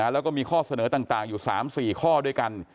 แล้วก็มีข้อเสนอต่างอยู่๓๔ข้อด้วยกัน